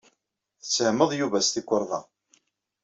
Tettehmeḍ Yuba s tukerḍa.